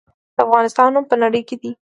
د افغانستان نوم په نړۍ کې دی